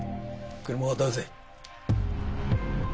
車を出せ。